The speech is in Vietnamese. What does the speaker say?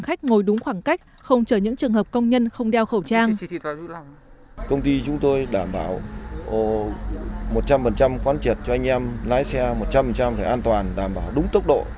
các khách ngồi đúng khoảng cách không chờ những trường hợp công nhân không đeo khẩu trang